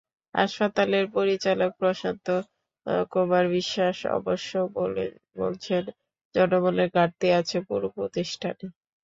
হাসপাতালের পরিচালক প্রশান্ত কুমার বিশ্বাস অবশ্য বলছেন, জনবলের ঘাটতি আছে পুরো প্রতিষ্ঠানেই।